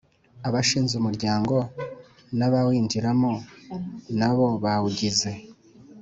Abashinze umuryango n abawinjiramo nibo bawugize